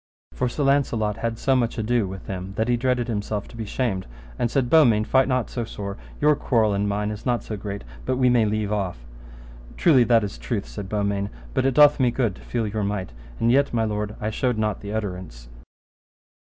For Sir Launcelot had so much ado with him that he dreaded himself to be shamed, and said, Beaumains, fight not so sore, your quarrel and mine is not so great but we may leave off. Truly that is truth, said Beaumains, but it doth me good to feel your might, and yet, my lord, I showed not the utterance.